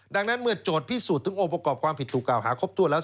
ดังนั้นเมื่อโจทย์พิสูจน์ถึงองค์ประกอบความผิดถูกกล่าวหาครบถ้วนแล้ว